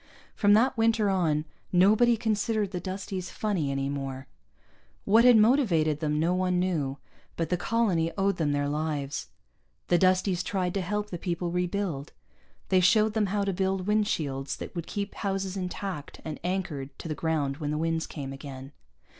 From that winter on, nobody considered the Dusties funny any more. What had motivated them no one knew, but the colony owed them their lives. The Dusties tried to help the people rebuild. They showed them how to build windshields that would keep houses intact and anchored to the ground when the winds came again.